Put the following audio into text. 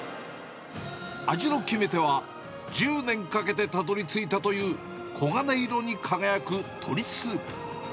味の決め手は、１０年かけてたどりついたという、黄金色に輝く鶏スープ。